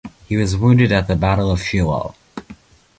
He was wounded at the Battle of Shiloh.